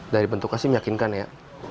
dari bentuknya sih meyakinkan ya